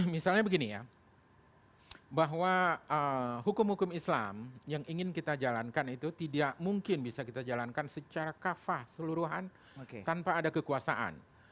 misalnya begini ya bahwa hukum hukum islam yang ingin kita jalankan itu tidak mungkin bisa kita jalankan secara kafah seluruhan tanpa ada kekuasaan